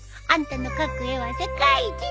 あんたの描く絵は世界一！」